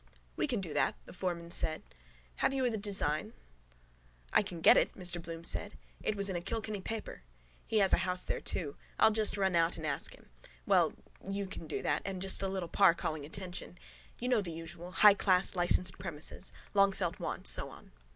—We can do that, the foreman said. Have you the design? —I can get it, Mr Bloom said. It was in a Kilkenny paper. He has a house there too. I'll just run out and ask him. Well, you can do that and just a little par calling attention. You know the usual. Highclass licensed premises. Longfelt want. So on.